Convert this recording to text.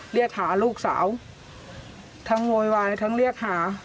เรียกหาลูกสาวทั้งโวยวายทั้งเรียกหา